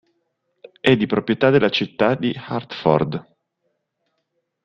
È di proprietà della Città di Hartford.